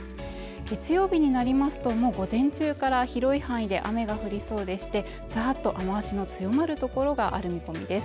月曜日になりますともう午前中から広い範囲で雨が降りそうでしてざっと雨足の強まる所がある見込みです